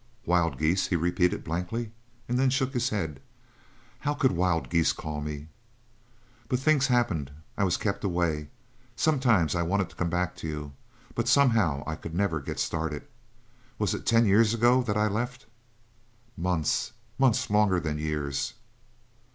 "Wild geese?" he repeated blankly, and then shook his head. "How could wild geese call me? But things happened. I was kept away. Sometimes I wanted to come back to you, but somehow I could never get started. Was it ten years ago that I left?" "Months months longer than years."